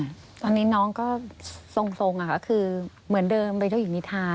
ตอนนี้น้องก็ทรงค่ะคือเหมือนเดิมเป็นเจ้าหญิงนิทา